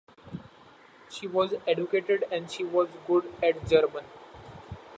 She was educated and she was good at German.